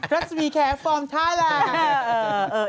รัสมีแคร์ฟอร์มท้ายแหละ